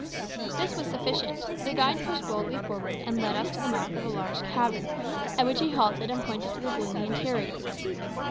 This was sufficient. The guide pushed boldly forward, and led us to the mouth of a large cavern, at which he halted and pointed to the gloomy interior.